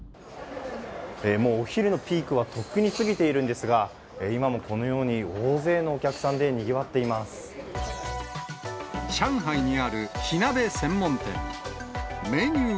もうお昼のピークはとっくに過ぎているんですが、今もこのように、大勢のお客さんでにぎわっ上海にある火鍋専門店。